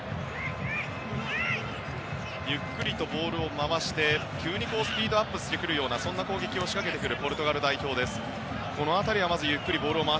ゆっくりとボールを回して急にスピードアップしてくるような攻撃を仕掛けてくるポルトガル代表です。